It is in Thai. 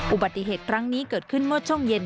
อุบัติเหตุครั้งนี้เกิดขึ้นเมื่อช่วงเย็น